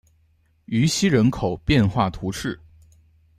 于西人口变化图示